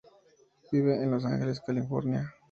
Vive en Los Ángeles, California.